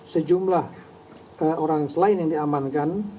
sejumlah orang selain yang diamankan